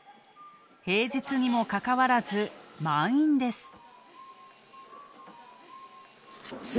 平日にもかかわらず満員です。